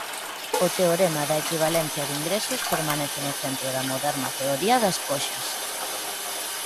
O teorema da equivalencia de ingresos permanece no centro da moderna teoría das poxas.